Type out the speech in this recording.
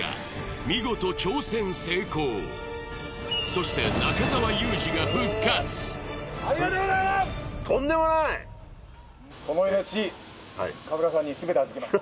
見事挑戦成功そして中澤佑二が復活ありがとうございます！